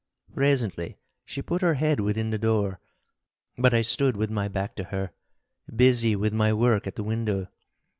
Presently she put her head within the door, but I stood with my back to her, busy with my work at the window.